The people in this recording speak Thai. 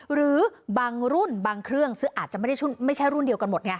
หรือบางรุ่นบางเครื่องซึ่งอาจจะไม่ใช่รุ่นเดียวกันหมดไง